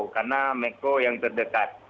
karena mekko yang terdekat